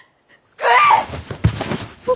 食え！